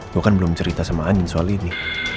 gue kan belum cerita sama angin soal ini